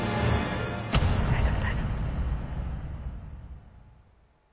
大丈夫大丈夫。